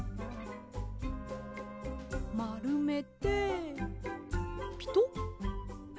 まるめてピトッ。